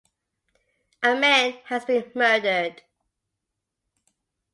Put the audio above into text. A man has been murdered.